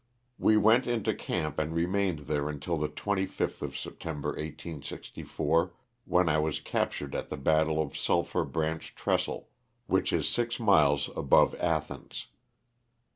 We went into camp and remained there until the 25th of September, 1864, when I was captured at the battle of Sulphur Branch Trestle, which is six miles above Athens.